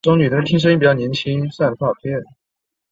强拍是每小节第一拍。